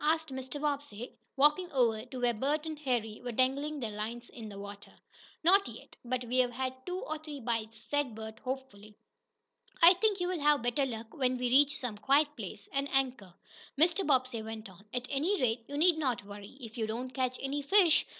asked Mr. Bobbsey, walking over to where Bert and Harry were dangling their lines in the water. "Not yet, but we've had two or three bites," said Bert, hopefully. "I think you'll have better luck when we reach some quiet place, and anchor," Mr. Bobbsey went on. "At any rate, you need not worry, if you don't catch any fish.